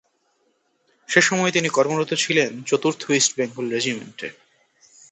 সে সময়ে তিনি কর্মরত ছিলেন চতুর্থ ইস্টবেঙ্গল রেজিমেন্টে।